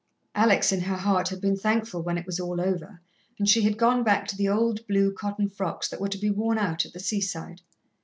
Alex, in her heart, had been thankful when it was all over, and she had gone back to the old blue cotton frocks that were to be worn out at the seaside.